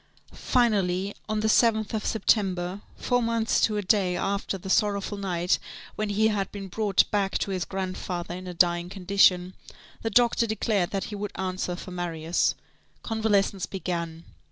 Finally, on the 7th of September, four months to a day, after the sorrowful night when he had been brought back to his grandfather in a dying condition, the doctor declared that he would answer for Marius. Convalescence began.